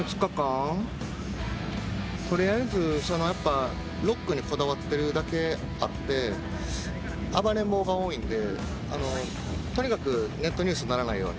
取りあえずロックにこだわってるだけあって暴れん坊が多いんでとにかくネットニュースにならないように。